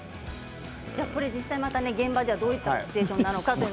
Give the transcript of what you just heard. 実際に現場ではどういうシチュエーションなのか。